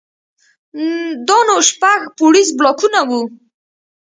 دا نو شپږ پوړيز بلاکونه وو.